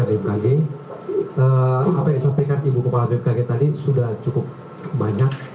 apa yang saya sampaikan ibu kepala bkg tadi sudah cukup banyak